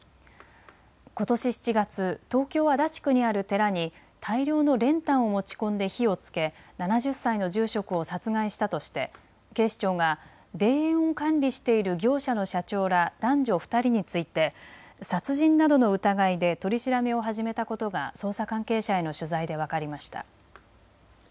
ことし７月、東京足立区にある寺に大量の練炭を持ち込んで火をつけ７０歳の住職を殺害したとして警視庁が霊園を管理している業者の社長ら男女２人について殺人などの疑いで取り調べを始めたことが捜査関係者への取材で分かりました。